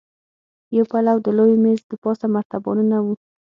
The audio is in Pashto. يو پلو د لوی مېز دپاسه مرتبانونه وو.